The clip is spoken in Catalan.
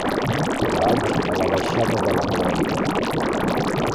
Vaig a la baixada de la Glòria.